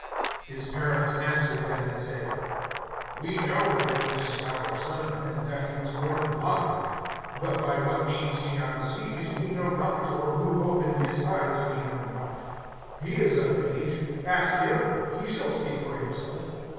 (20)His parents answered them and said: We know that this is our son, and that he was born blind. (21)But by what means he now sees, we know not; or who opened his eyes, we know not. He is of age; ask him. He shall speak for himself.